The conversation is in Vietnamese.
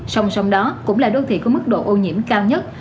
song song đó cũng là đô thị có mức độ ô nhiễm cao nhất